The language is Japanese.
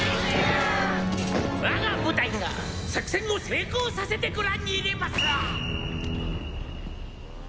我が部隊が作戦を成功させてご覧に入れます！